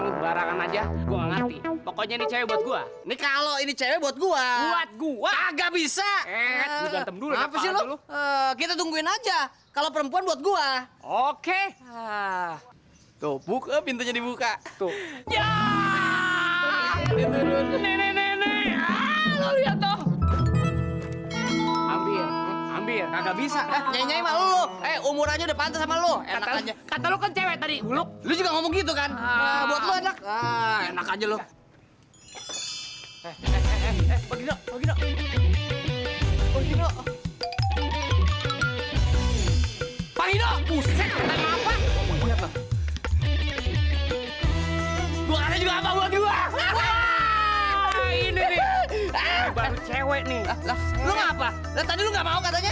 gua juga apa buat gua ini baru cewek nih apa apa katanya itu mau dekil enak aja udah jelas jelas